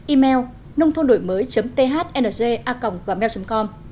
email nôngthondổimới thnj a gmail com